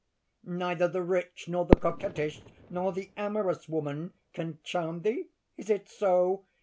neither the rich, nor the coquettish, nor the amorous woman can charm thee: is it so?